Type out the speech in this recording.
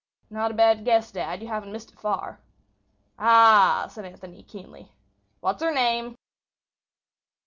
"Not a bad guess, dad; you haven't missed it far." "Ah," said Anthony, keenly; "what's her name?"